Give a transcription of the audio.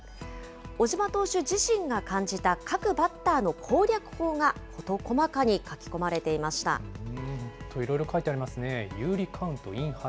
小島投手自身が感じた各バッターの攻略法が、いろいろ書いてありますね。